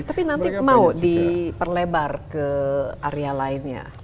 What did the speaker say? tapi nanti mau diperlebar ke area lainnya